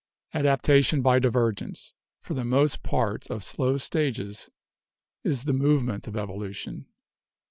"Adaptation by divergence — for the most part of slow stages — is the movement of evolution.